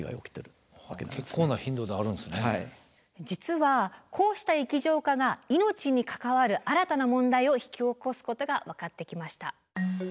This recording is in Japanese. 実はこうした液状化が命に関わる新たな問題を引き起こすことが分かってきました。